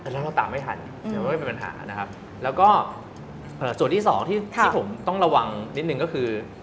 แล้วเราตามไม่ทันแต่ว่าไม่มีปัญหานะครับแล้วก็ส่วนที่สองที่ผมต้องระวังนิดนึงก็คือ